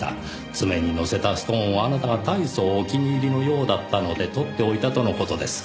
爪にのせたストーンをあなたがたいそうお気に入りのようだったのでとっておいたとの事です。